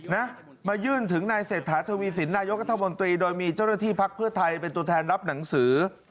นะมายื่นถึงนายเศรษฐาทวีสินนายกัธมนตรีโดยมีเจ้าหน้าที่พักเพื่อไทยเป็นตัวแทนรับหนังสือ